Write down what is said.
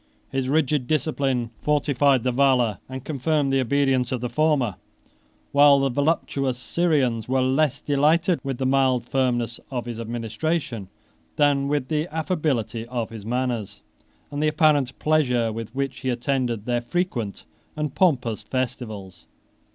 His rigid discipline fortified the valor and confirmed the obedience of the former, whilst the voluptuous Syrians were less delighted with the mild firmness of his administration, than with the affability of his manners, and the apparent pleasure with which he attended their frequent and pompous festivals.